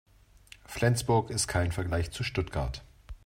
Flensburg ist kein Vergleich zu Stuttgart